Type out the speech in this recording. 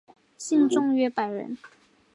信众约百人。